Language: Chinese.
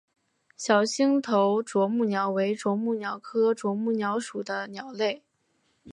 小星头啄木鸟为啄木鸟科啄木鸟属的鸟类。